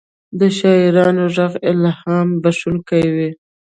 د شاعرانو ږغ الهام بښونکی وي.